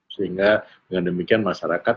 sehingga dengan demikian masyarakat